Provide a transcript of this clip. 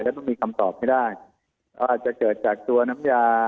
แล้วมันมีคำตอบไม่ได้อาจจะเกิดจากตัวน้ำยา